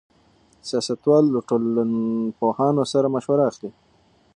سیاستوال له ټولنپوهانو مشوره اخلي.